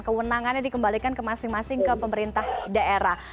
kewenangannya dikembalikan ke masing masing ke pemerintah daerah